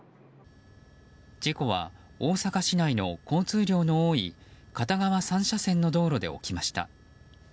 事故は大阪市内の交通量の多い片側３車線の道路で起きました。